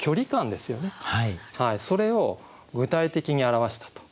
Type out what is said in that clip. それを具体的に表したと。